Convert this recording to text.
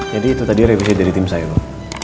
jadi itu tadi revisi dari tim saya bu